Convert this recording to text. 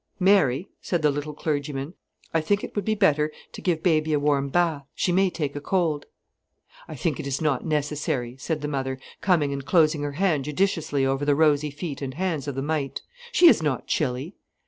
"Mary," said the little clergyman, "I think it would be better to give baby a warm bath; she may take a cold." "I think it is not necessary," said the mother, coming and closing her hand judiciously over the rosy feet and hands of the mite. "She is not chilly."